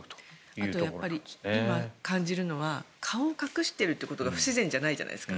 あと感じるのは顔を隠しているということが不自然じゃないじゃないですか。